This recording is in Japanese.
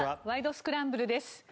スクランブル」です。